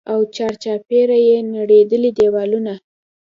او چارچاپېره يې نړېدلي دېوالونه.